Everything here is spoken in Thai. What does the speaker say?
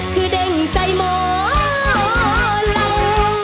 คือเด้งใส่หมอล้ำ